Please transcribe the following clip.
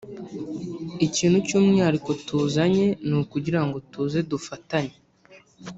Ikintu cy’umwihariko tuzanye ni ukugira ngo tuze dufatanye